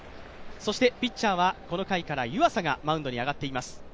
そしてピッチャーはこの回から湯浅がマウンドに上がっています。